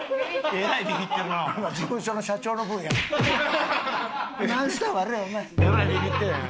えらいビビってるやん。